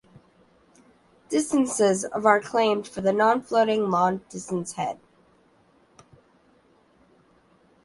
Distances of are claimed for the non-floating long distance head.